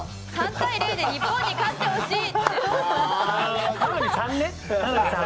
３対０で日本に勝ってほしい！